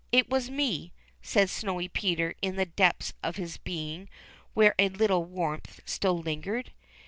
It was me," said Snowy Peter in the depths of his being where a little warmth still lingered.